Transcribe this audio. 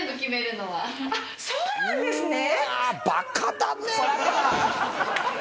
そうなんですね。